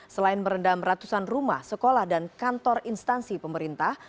selain merendam ratusan rumah sekolah dan kantor instansi pemerintah